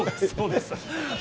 そうです。